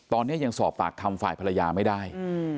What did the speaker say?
ตอนนี้ยังสอบปากคำฝ่ายภรรยาไม่ได้